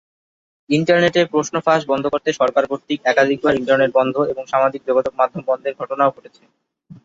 ইন্টারনেটে প্রশ্ন ফাঁস বন্ধ করতে সরকার কর্তৃক একাধিকবার ইন্টারনেট বন্ধ এবং সামাজিক যোগাযোগ মাধ্যম বন্ধের ঘটনাও ঘটেছে।